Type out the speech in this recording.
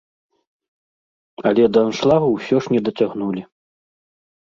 Але да аншлагу ўсё ж не дацягнулі.